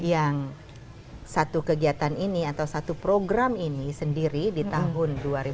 yang satu kegiatan ini atau satu program ini sendiri ditangani